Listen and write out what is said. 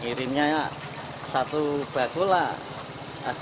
kirimnya satu bakulah